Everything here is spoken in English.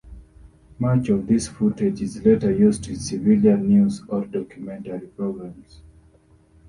Much of this footage is later used in civilian news or documentary programs.